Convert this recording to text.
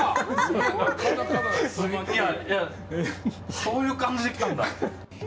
そういう感じできたんだ。